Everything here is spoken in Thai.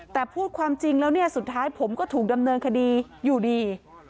แต่พูดความจริงแล้วเนี่ยสุดท้ายผมก็ถูกดำเนินคดีอยู่ดี